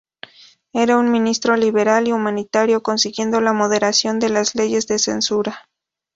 Era un ministro liberal y humanitario, consiguiendo la moderación de las leyes de censura.